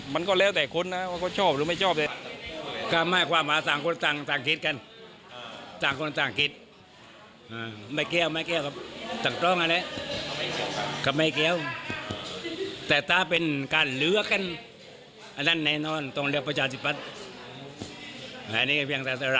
มันก็เลี่ยวแต่คนนะว่าเขาชอบหรือไม่ชอบเลย